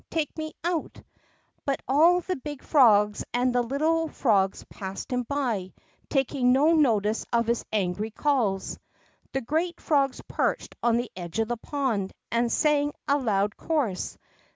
Take me out !" But all the big frogs and the little frogs passed him by, taking no notice of his angry calls. The great frogs perched on the edge of the pond, and sang a loud chorus.